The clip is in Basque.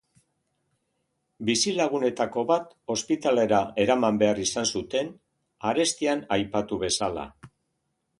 Bizilagunetako bat ospitalera eraman behar izan zuten, arestian aipatu bezala.